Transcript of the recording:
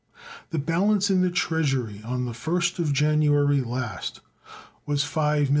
The balance in the Treasury on the first of January last was $5,201,650.